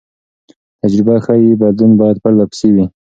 تجربه ښيي بدلون باید پرله پسې وي.